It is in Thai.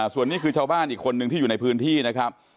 ส่วนนี้คือชาวบ้านอีกคนนึงที่อยู่ในพื้นที่นะครับ